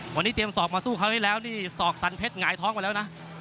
วันนี้เตรียมสอบมาสู้คราวที่แล้วนี่ศอกสันเพชรหงายท้องไปแล้วนะ